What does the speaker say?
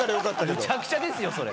むちゃくちゃですよそれ。